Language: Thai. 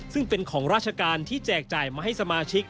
ซึ่งเป็นของราชการที่แจกจ่ายมาให้สมาชิก